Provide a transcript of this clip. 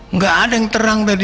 nggak ada yang terang tadi